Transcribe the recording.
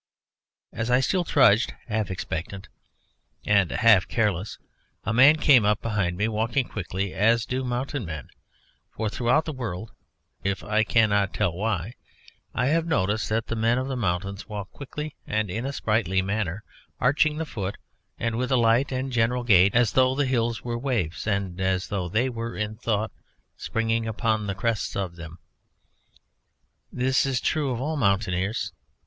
As I still trudged, half expectant and half careless, a man came up behind me, walking quickly as do mountain men: for throughout the world (I cannot tell why) I have noticed that the men of the mountains walk quickly and in a sprightly manner, arching the foot, and with a light and general gait as though the hills were waves and as though they were in thought springing upon the crests of them. This is true of all mountaineers.